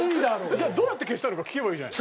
じゃあどうやって消したのか聞けばいいじゃない。